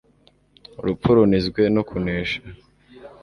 urupfu runizwe no kunesha!